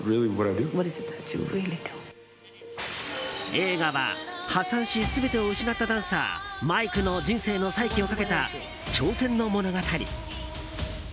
映画は破産し、全てを失ったダンサーマイクの人生の再起をかけた挑戦の物語。